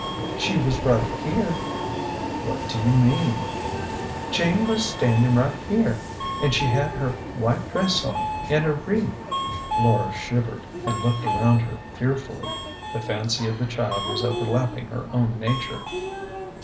"She was right here." " What do you mean ?"" Jane was standin' right here. An' she had her white dress on, an' her wreath." Flora shivered, and looked around her fearfully. The fancy of the child was overlapping her own nature.